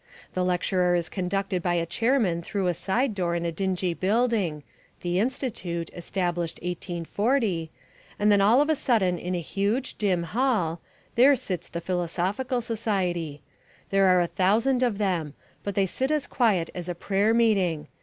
The lecturer is conducted by a chairman through a side door in a dingy building (The Institute, established 1840), and then all of a sudden in a huge, dim hall there sits the Philosophical Society. There are a thousand of them, but they sit as quiet as a prayer meeting.